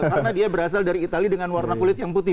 karena dia berasal dari itali dengan warna kulit yang putih